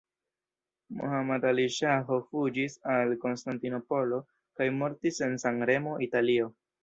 Mohammad Ali Ŝaho fuĝis al Konstantinopolo kaj mortis en San-Remo, Italio.